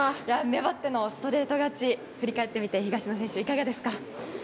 粘ってのストレート勝ち振り返ってみて、東野選手いかがですか？